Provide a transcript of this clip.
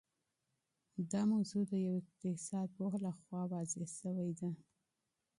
دا موضوع د يوه اقتصاد پوه لخوا تشرېح سوې ده.